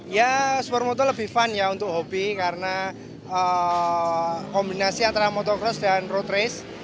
ya supermoto lebih fun ya untuk hobi karena kombinasi antara motocross dan road race